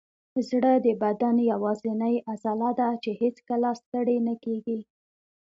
زړه د بدن یوازینی عضله ده چې هیڅکله ستړې نه کېږي.